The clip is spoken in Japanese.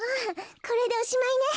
これでおしまいね。